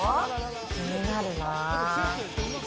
気になるな。